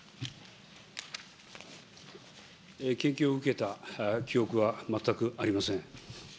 献金を受けた記憶は全くありません。